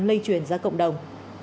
lây truyền ra cộng đồng